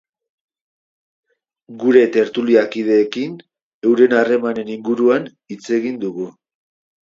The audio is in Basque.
Gure tertualikideekin euren harremanen inguruan hitz egin dugu.